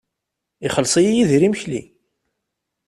Ixelleṣ-iyi Yidir imekli.